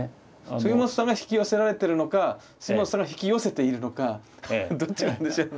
杉本さんが引き寄せられてるのか杉本さんが引き寄せているのかどっちなんでしょうね。